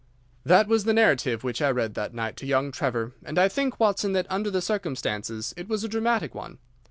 "That was the narrative which I read that night to young Trevor, and I think, Watson, that under the circumstances it was a dramatic one.